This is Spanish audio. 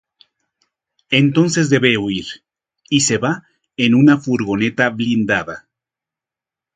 Entonces debe huir, y se va en una furgoneta blindada.